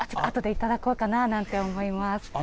あとで頂こうかななんて思います。